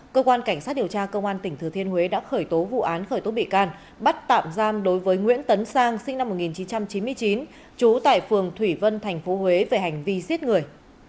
cơ quan cảnh sát điều tra công an tỉnh thừa thiên huế đã khởi tố vụ án khởi tố bị can bắt tạm giam đối với nguyễn tấn sang sinh năm một nghìn chín trăm chín mươi chín trú tại phường thủy vân tp huế về hành vi giết người